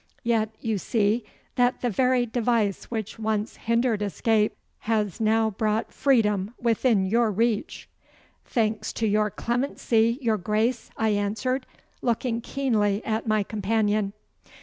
Yet you see that the very device which once hindered escape has now brought freedom within your reach.' 'Thanks to your clemency, your Grace,' I answered, looking keenly at my companion.